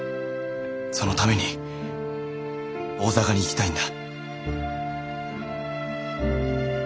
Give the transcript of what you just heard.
そのために大坂に行きたいんだ。